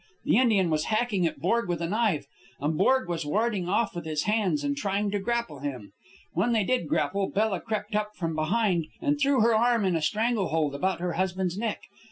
The Indian was hacking at Borg with a knife, and Borg was warding off with his arms and trying to grapple him. When they did grapple, Bella crept up from behind and threw her arm in a strangle hold about her husband's neck.